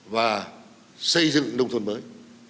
và xây dựng nông thôn mới